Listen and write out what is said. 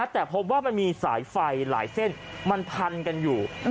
แต่พบว่ามันมีสายไฟหลายเส้นมันพันกันอยู่